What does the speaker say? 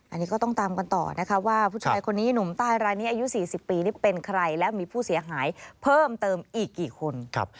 อันนี้ก็ต้องตามกันต่อนะคะว่าผู้ชายคนนี้หนุ่มใต้รายนี้อายุ๔๐ปีนี่เป็นใครและมีผู้เสียหายเพิ่มเติมอีกกี่คน